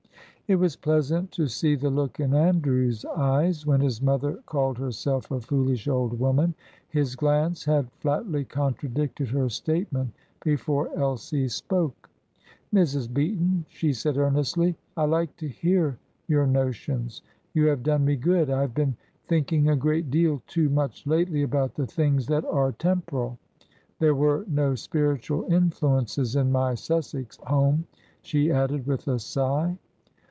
It was pleasant to see the look in Andrew's eyes when his mother called herself a foolish old woman. His glance had flatly contradicted her statement before Elsie spoke. "Mrs. Beaton," she said earnestly, "I like to hear your notions. You have done me good. I have been thinking a great deal too much lately about the things that are temporal. There were no spiritual influences in my Sussex home," she added, with a sigh.